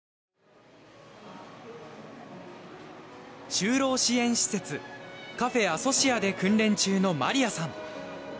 就労支援施設カフェアソシアで訓練中のマリアさん。